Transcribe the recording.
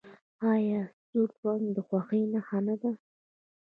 آیا سور رنګ د خوښۍ نښه نه ده؟